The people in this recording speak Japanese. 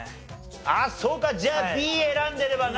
あっそうかじゃあＢ選んでればな。